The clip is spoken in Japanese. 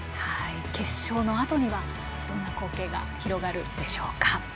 決勝のあとにはどんな光景広がるでしょうか。